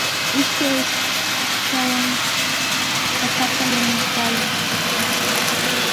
Ishkay chakwan papata yanuykaayan.